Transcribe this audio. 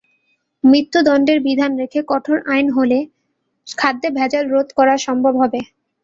মৃত্যুদণ্ডের বিধান রেখে কঠোর আইন হলে খাদ্যে ভেজাল রোধ করা সম্ভব হবে।